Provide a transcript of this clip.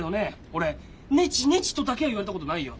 俺「ネチネチ」とだけは言われたことないよ。